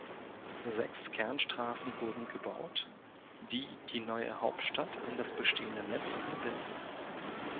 Sechs Kernstraßen wurden gebaut, die die neue Hauptstadt an das bestehenden Netz anbinden.